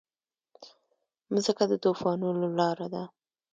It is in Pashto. مځکه د طوفانونو لاره ده.